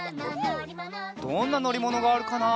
どんなのりものがあるかな？